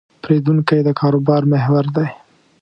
پیرودونکی د کاروبار محور دی.